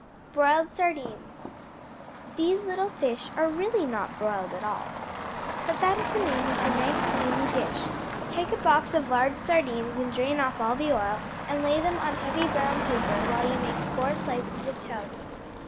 Broiled Sardines These little fish are really not broiled at all, but that is the name of the nice and easy dish. Take a box of large sardines and drain off all the oil, and lay them on heavy brown paper while you make four slices of toast.